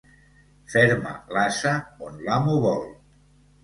Ferma l'ase on l'amo vol.